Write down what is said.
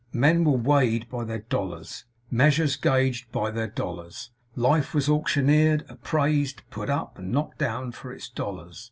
Men were weighed by their dollars, measures gauged by their dollars; life was auctioneered, appraised, put up, and knocked down for its dollars.